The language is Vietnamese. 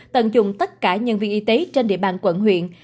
tận dụng tất cả nhân viên y tế trên địa bàn quận huyện